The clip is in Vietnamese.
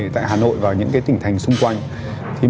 tại hà nội và những tỉnh thành xung quanh